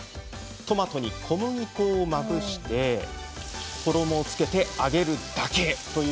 トマトに小麦粉をまぶし衣をつけて揚げるだけ。